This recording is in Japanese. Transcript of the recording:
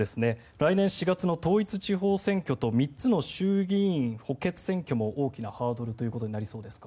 来年４月の統一地方選と３つの衆議院補欠選挙も大きなハードルということになりそうですか？